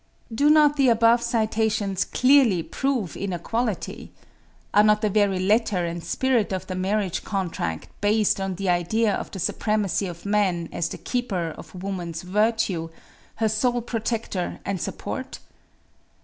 "Do not the above citations clearly prove inequality? Are not the very letter and spirit of the marriage contract based on the idea of the supremacy of man as the keeper of woman's virtue her sole protector and support?